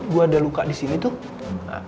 gua ada luka disini tuh